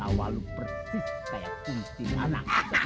apa bersaing kita